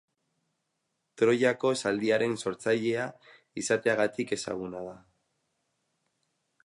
Troiako Zaldiaren sortzailea izateagatik ezaguna da.